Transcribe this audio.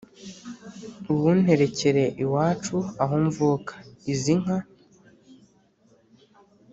uwunterekere iwacu aho mvuka izi nka